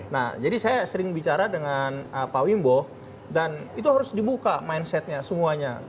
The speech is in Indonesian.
nah jadi saya sering bicara dengan pak wimbo dan itu harus dibuka mindsetnya semuanya